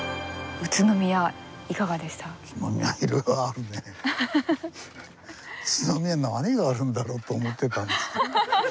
宇都宮何があるんだろうと思ってたんですが。